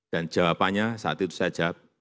dan jawabannya saat itu saya jawab